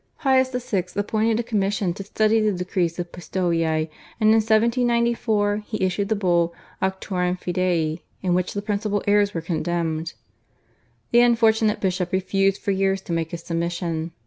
Pius VI. appointed a commission to study the decrees of Pistoia, and in 1794 he issued the Bull, /Auctorem Fidei/, in which the principal errors were condemned. The unfortunate bishop refused for years to make his submission.